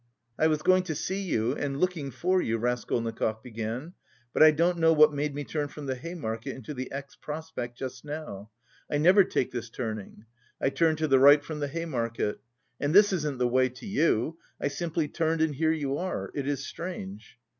"I was going to see you and looking for you," Raskolnikov began, "but I don't know what made me turn from the Hay Market into the X. Prospect just now. I never take this turning. I turn to the right from the Hay Market. And this isn't the way to you. I simply turned and here you are. It is strange!"